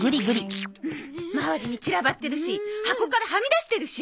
周りに散らばってるし箱からはみ出してるし！